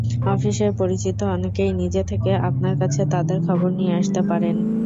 অফিসের পরিচিত অনেকেই নিজে থেকে আপনার কাছে তাঁদের খবর নিয়ে আসতে পারেন।